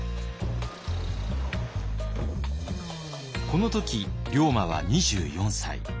この時龍馬は２４歳。